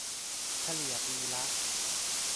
เฉลี่ยปีละ